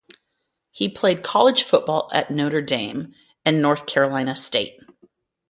He played college football at Notre Dame and North Carolina State.